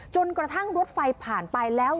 จนกระทั่งรถไฟผ่านไปแล้ว